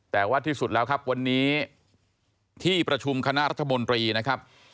แต่ว่าที่สุดแล้วครับวันนี้ที่ประชุมคณะรัฐมนตรีนะครับ